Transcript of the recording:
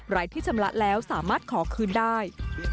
รายที่ชำระแล้วสามารถขอคืนได้